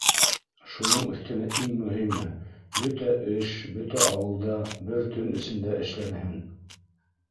Шуның өҫтөнә иң мөһиме — бөтә эш бөтә ауылда бер төн эсендә эшләнһен.